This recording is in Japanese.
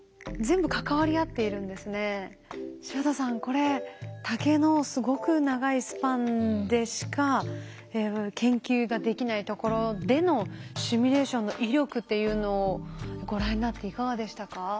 柴田さんこれ竹のすごく長いスパンでしか研究ができないところでのシミュレーションの威力っていうのをご覧になっていかがでしたか？